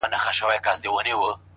ټول بکواسیات دي ـ